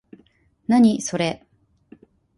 何、それ？